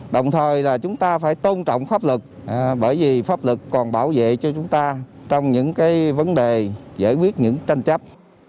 đồng thời là chúng ta phải tôn trọng pháp lực bởi vì pháp lực còn bảo vệ cho chúng ta trong những vấn đề giải quyết những tranh chấp